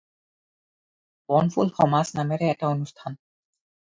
'বনফুল সমাজ ' নামেৰে এটা অনুষ্ঠান